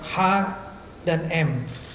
h dan m